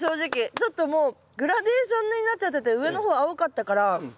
ちょっともうグラデーションになっちゃってて上の方青かったから。